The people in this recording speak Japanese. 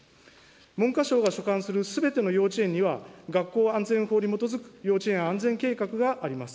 文科省が所管するすべての幼稚園には、学校安全法に基づく幼稚園安全計画があります。